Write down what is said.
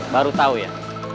baru tahu ya